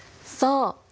そう。